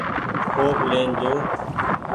ڪوپ لين جو ۔